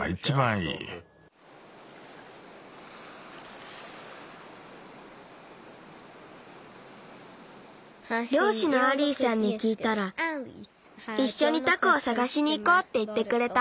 りょうしのアリーさんにきいたらいっしょにタコをさがしにいこうっていってくれた。